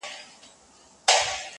مندوشاه چي هم هوښیار هم پهلوان وو،